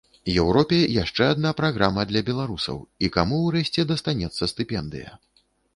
Еўропе яшчэ адна праграма для беларусаў, і каму ўрэшце дастанецца стыпендыя.